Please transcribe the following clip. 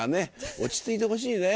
落ち着いてほしいね。